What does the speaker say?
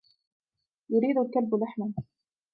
يريد الكلب لحما.